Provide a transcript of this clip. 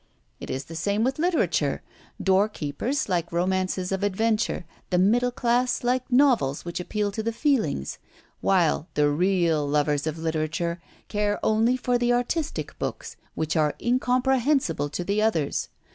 "It is the same with literature. Doorkeepers like romances of adventure, the middle class like novels which appeal to the feelings; while the real lovers of literature care only for the artistic books which are incomprehensible to the others.